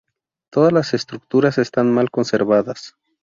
Todas las estructuras están mal conservadas.